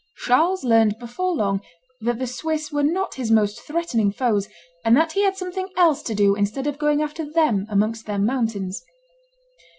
Charles learned before long that the Swiss were not his most threatening foes, and that he had something else to do instead of going after them amongst their mountains.